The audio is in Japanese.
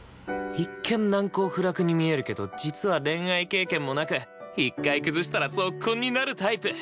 一見難攻不落に見えるけど実は恋愛経験もなく１回崩したらゾッコンになるタイプ！